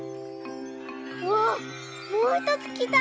わっもうひとつきた！